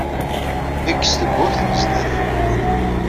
Ekk s tewwurt n sdat.